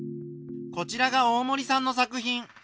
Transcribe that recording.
こちらが大森さんの作品。